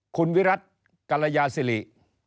คุณวิรัติกรยาศิริ